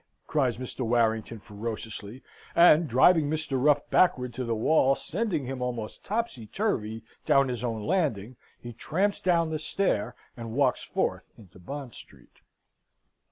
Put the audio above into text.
cries Mr. Warrington, ferociously, and driving Mr. Ruff backward to the wall, sending him almost topsy turvy down his own landing, he tramps down the stair, and walks forth into Bond Street.